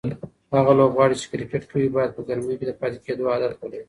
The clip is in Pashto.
هغه لوبغاړي چې کرکټ کوي باید په ګرمۍ کې د پاتې کېدو عادت ولري.